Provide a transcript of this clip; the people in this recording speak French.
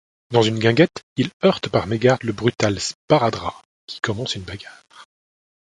Dans une guinguette, il heurte par mégarde le brutal Sparadra qui commence une bagarre.